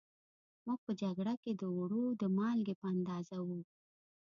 موږ په جگړه کې د اوړو د مالگې په اندازه وو